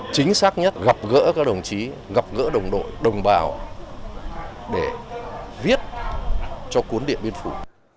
chính xác nhất gặp gỡ các đồng chí gặp gỡ đồng đội đồng bào để viết cho cuốn điện biên phủ